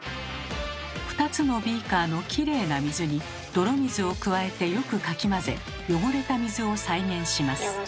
２つのビーカーのきれいな水に泥水を加えてよくかき混ぜ汚れた水を再現します。